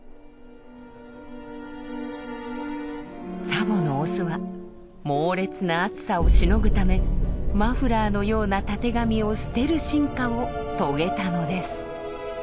ツァボのオスは猛烈な暑さをしのぐためマフラーのようなたてがみを捨てる進化を遂げたのです。